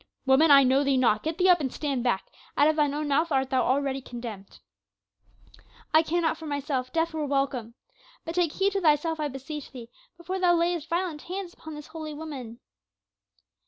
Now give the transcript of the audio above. "Woman, I know thee not. Get thee up and stand back. Out of thine own mouth art thou already condemned." "I care not for myself death were welcome. But take heed to thyself, I beseech thee, before thou layest violent hands upon this holy woman."